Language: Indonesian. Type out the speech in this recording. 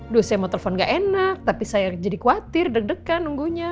dulu saya mau telepon gak enak tapi saya jadi khawatir deg degan nunggunya